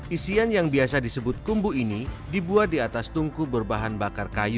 isian yang biasa disebut kumbu ini dibuat di atas tungku berbahan bakar kayu